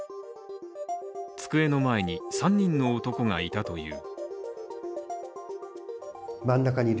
机の前に３人の男がいたという。